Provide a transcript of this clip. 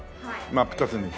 真っ二つに。